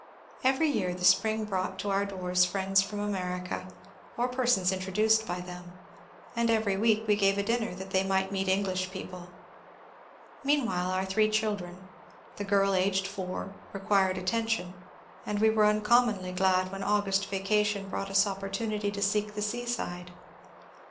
Every year the spring brought to our doors friends frcmi America, or persons introduced by them, and every week we gave a dinner that they might meet English people. Meanwhile our three children, the girl aged four, required attention, and we were uncommonly glad when August vacation brought us op portunity to seek the seaside.